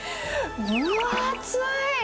分厚い！